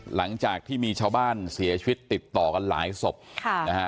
หลังจากที่มีชาวบ้านเสียชีวิตติดต่อกันหลายศพค่ะนะฮะ